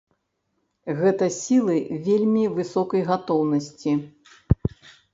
Гэта сілы вельмі высокай гатоўнасці.